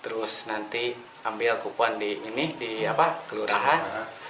terus nanti ambil kupuan di kelurahan